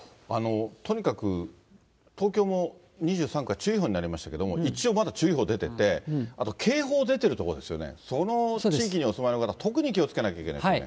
とにかく東京も２３区は注意報になりましたけれども、一応まだ注意報出てて、あと警報出てる所ですよね、その地域にお住まいの方、特に気をつけなきゃいけないですね。